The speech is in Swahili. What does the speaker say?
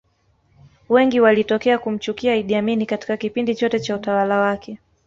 Wengi walitokea kumchukia Idd Amin Katika kipindi chote Cha utawala wake